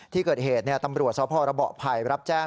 ที่เกิดเหตุเนี่ยตำรวจศาลพอร์ระบอภัยรับแจ้ง